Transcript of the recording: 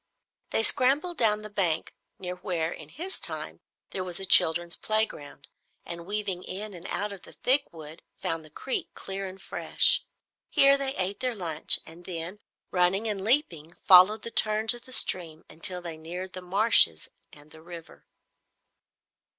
They scrambled down the bank near where, in his time, there was a children's playground, and weaving in and out of the thick wood, found the creek, clear and fresh. Here they ate their lunch, and then, running and leaping, followed the turns of the stream until they neared the marshes and the river.